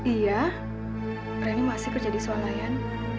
iya reni masih kerja di sulayan